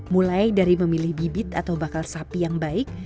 mulai dari memilih bibit atau bakal sapi yang baik